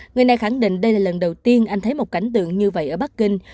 người này khẳng định đây là lần đầu tiên anh thấy một cảnh tượng như vậy ở bắc kinh